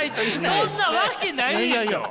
そんなわけないやん！